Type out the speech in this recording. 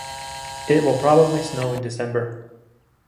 It will probably snow in December.